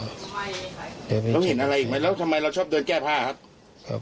แล้วเห็นอะไรอีกไหมแล้วทำไมเราชอบเดินแก้ผ้าครับ